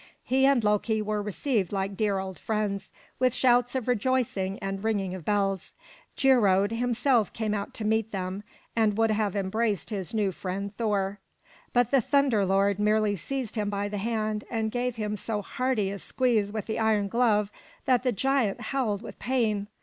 He and Loki were received like dear old friends, with shouts of rejoicing and ringing of bells. Geirröd himself came out to meet them, and would have embraced his new friend Thor; but the Thunder Lord merely seized him by the hand and gave him so hearty a squeeze with the iron glove that the giant howled with pain.